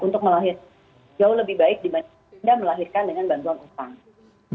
untuk melahirkan jauh lebih baik dibanding anda melahirkan dengan bantuan utang